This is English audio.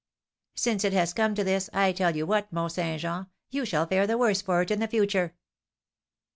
"Since it has come to this, I tell you what, Mont Saint Jean, you shall fare the worse for it for the future."